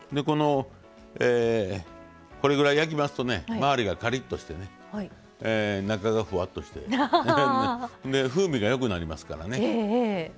これぐらい焼きますと周りがカリッとして中がふわっとして風味がよくなりますからね。